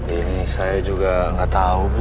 ini saya juga gak tau bu